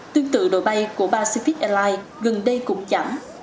tương tự đội bay của pacific airlines gần đây cũng giảm